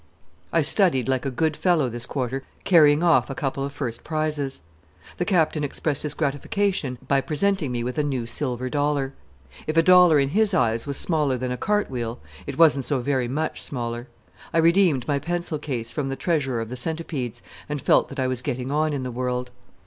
I studied like a good fellow this quarter, carrying off a couple of first prizes. The Captain expressed his gratification by presenting me with a new silver dollar. If a dollar in his eyes was smaller than a cart wheel, it wasn't so very much smaller. I redeemed my pencil case from the treasurer of the Centipedes, and felt that I was getting on in the world.